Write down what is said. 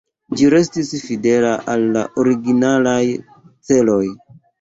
Ĝi restis fidela al la originalaj celoj.